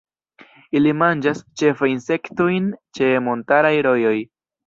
Ili manĝas ĉefe insektojn ĉe montaraj rojoj.